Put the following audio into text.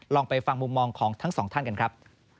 ลองไปฟังมุมมองของทั้งสองท่านกันครับ